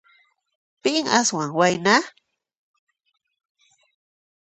Pin aswan wayna?